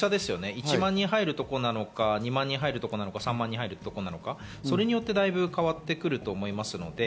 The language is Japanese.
１万人が入るところなのか、２万人が入るところなのか、３万人入るところなのか、それによって大分変わってくると思います。